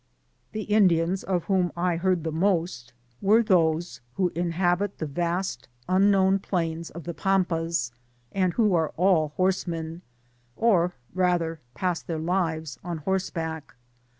The Indians of whom I heard the most were those who inhabit the vast unknown plains of the Pampas, and who are all horsemen, or rather pass their lives on horseback.